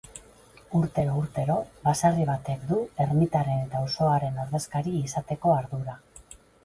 Urtero-urtero, baserri batek du ermitaren eta auzoaren ordezkari izateko ardura.